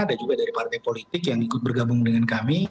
ada juga dari partai politik yang ikut bergabung dengan kami